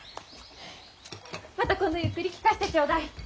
また今度ゆっくり聞かせてちょうだい。